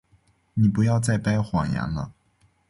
你不要再掰谎言了。